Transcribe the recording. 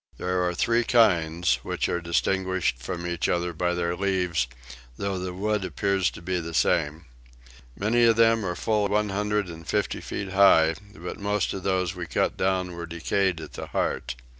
There are three kinds, which are distinguished from each other by their leaves, though the wood appears to be the same. Many of them are full one hundred and fifty feet high; but most of those that we cut down were decayed at the heart.